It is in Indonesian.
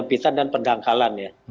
kepitan dan pendangkalan ya